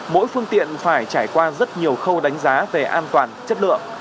mỗi phương tiện phải trải qua rất nhiều khâu đánh giá về an toàn chất lượng